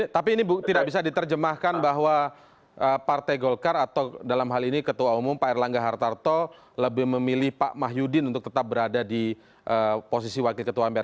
tapi ini tidak bisa diterjemahkan bahwa partai golkar atau dalam hal ini ketua umum pak erlangga hartarto lebih memilih pak mahyudin untuk tetap berada di posisi wakil ketua mpr